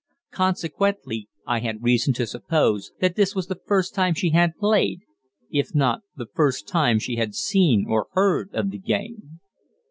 Consequently I had reason to suppose that this was the first time she had played, if not the first time she had seen or heard of the game.